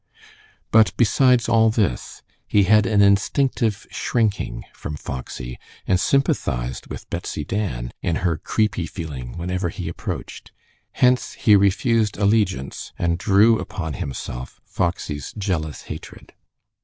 But besides all this, he had an instinctive shrinking from Foxy, and sympathized with Betsy Dan in her creepy feeling whenever he approached. Hence he refused allegiance, and drew upon himself Foxy's jealous hatred.